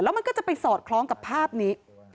มันก็จะไปสอดคล้องกับภาพนี้